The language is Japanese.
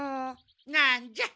なんじゃ？